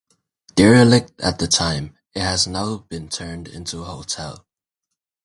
Derelict at the time, it has now been turned into a hotel.